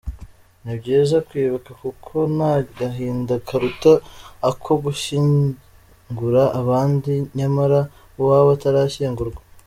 Ni byiza kwibuka kuko nta gahinda karuta ako gushyingura abandi nyamara uwawe atarashyingurwa”.